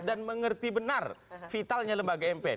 dan mengerti benar vitalnya lembaga mpr